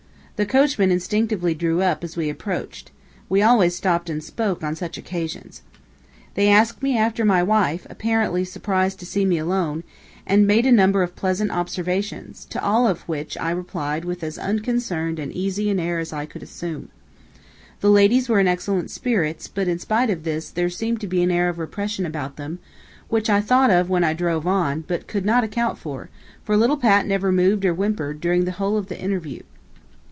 The coachman instinctively drew up, as we approached. We always stopped and spoke, on such occasions. They asked me after my wife, apparently surprised to see me alone, and made a number of pleasant observations, to all of which I replied with as unconcerned and easy an air as I could assume. The ladies were in excellent spirits, but in spite of this, there seemed to be an air of repression about them, which I thought of when I drove on, but could not account for, for little Pat never moved or whimpered, during the whole of the interview.